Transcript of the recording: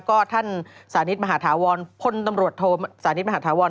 ก็ท่านสาริสต์มหาฐาวรพลตำรวจโทรสาริสต์มหาฐาวร